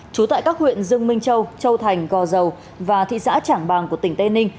trú tại các huyện dương minh châu châu thành gò dầu và thị xã trảng bàng của tỉnh tây ninh